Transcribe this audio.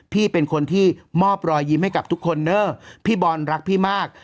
พี่เป็นคนที่มอบรอยยิ้มให้กับทุกคนเนอะพี่บอลรักพี่มาก